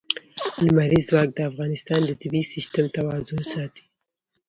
لمریز ځواک د افغانستان د طبعي سیسټم توازن ساتي.